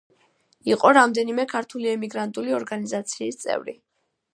იყო რამდენიმე ქართული ემიგრანტული ორგანიზაციის წევრი.